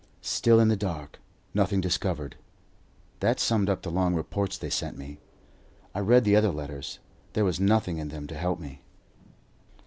"Still in the dark; nothing discovered" that summed up the long reports they sent me. I read the other letters; there was nothing in them to help me.